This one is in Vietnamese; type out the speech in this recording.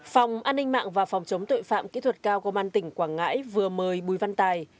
phòng an ninh mạng và phòng chống tội phạm kỹ thuật cao công an tỉnh quảng ngãi vừa mời bùi văn tài